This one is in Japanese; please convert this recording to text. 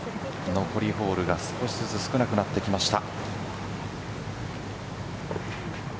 残りホールが少しずつ少なくなってきました。